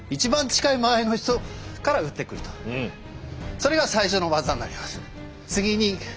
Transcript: それが最初の技になります。